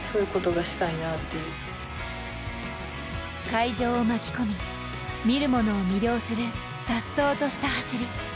会場を巻き込み見るものを魅了するさっそうとした走り。